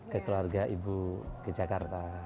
ke keluarga ibu ke jakarta